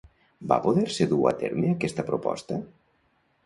Va poder-se dur a terme aquesta proposta?